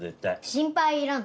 心配いらぬ。